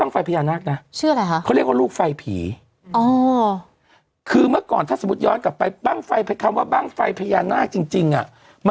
ไฟจะขึ้นนะ